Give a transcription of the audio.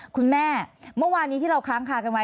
คุณแม่เมื่อวานนี้ที่เราค้างคากันไว้